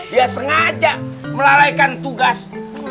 dia sengaja melalaikan tugas